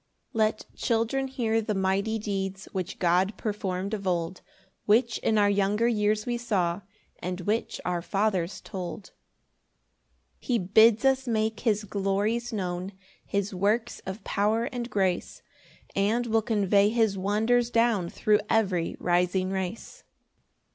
1 Let children hear the mighty deeds, Which God perform'd of old, Which in our younger years we saw, And which our fathers told. 2 He bids us make his glories known, His works of power and grace; And we'll convey his wonders down Thro' every rising race.